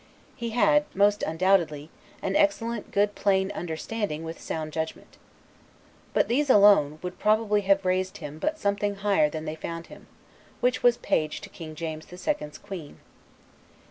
He had most undoubtedly, an excellent good plain understanding with sound judgment. But these alone, would probably have raised him but something higher than they found him; which was page to King James the Second's queen.